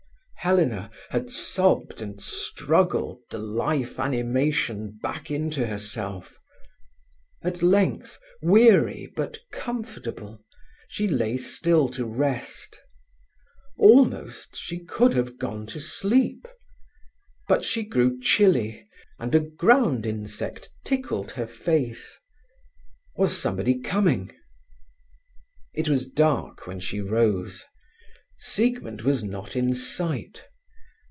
Helena had sobbed and struggled the life animation back into herself. At length, weary but comfortable, she lay still to rest. Almost she could have gone to sleep. But she grew chilly, and a ground insect tickled her face. Was somebody coming? It was dark when she rose. Siegmund was not in sight.